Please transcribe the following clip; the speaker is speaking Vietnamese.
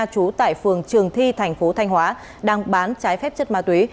chú tại phường trường thi thành phố thanh hóa đang bán trái phép chất ma túy